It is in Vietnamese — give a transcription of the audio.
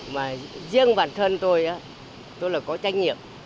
mà riêng bản thân tôi tôi là có trách nhiệm